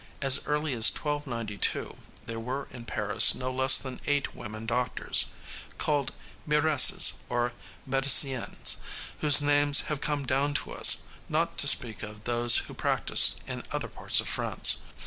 As early as 1292 there were in Paris no less than eight women doctors called miresses or mediciennes whose names have come down to us, not to speak of those who practiced in other parts of France.